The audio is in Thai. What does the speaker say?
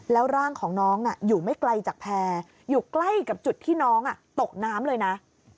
แล้วร่างของน้องอยู่ไม่ไกลจากแพร่อยู่ใกล้กับจุดที่น้องตกน้ำเลยนะ